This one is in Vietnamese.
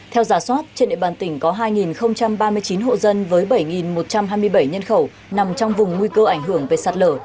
theo giả soát trên địa bàn tỉnh có hai ba mươi chín hộ dân với bảy một trăm hai mươi bảy nhân khẩu nằm trong vùng nguy cơ ảnh hưởng về sạt lở